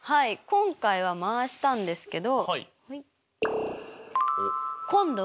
今回は回したんですけど。